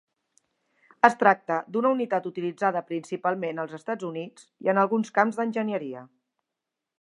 Es tracta d'una unitat utilitzada principalment als Estats Units i en alguns camps d'enginyeria.